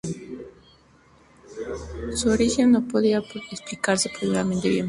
Su origen no podría explicarse previamente bien.